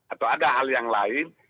atau ada hal yang lain